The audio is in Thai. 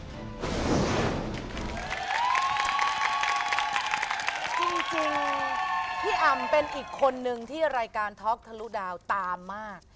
จริงพี่อ่ำเป็นอีกคนนึงที่รายการท็อกทะลุดาวตามมาก